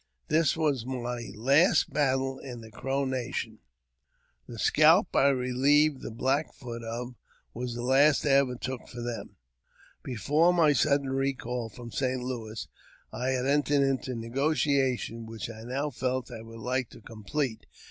This was my last battle in the Crow nation ; the scalp I relieved the Black Foot of was the last I ever took for them. Before my sudden recall from St. Louis I had entered into negotiations which I now felt I would like to complete.